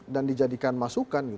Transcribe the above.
dan dijadikan masukan